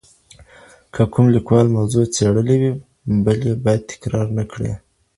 که کوم لیکوال موضوع څېړلې وي بل یې باید تکرار نکړي.